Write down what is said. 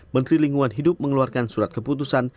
menteri lingkungan hidup mengeluarkan surat keputusan